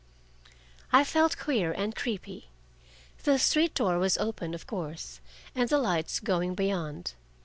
I felt queer and creepy. The street door was open, of course, and the lights going beyond.